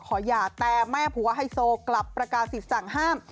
หย่าแต่แม่ผัวไฮโซกลับประกาศิษย์สั่งห้าม